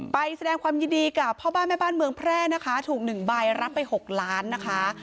แสดงความยินดีกับพ่อบ้านแม่บ้านเมืองแพร่นะคะถูก๑ใบรับไป๖ล้านนะคะ